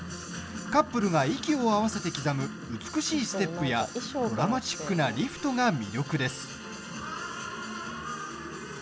カップルが息を合わせて刻む美しいステップやドラマチックなリフトが魅力です。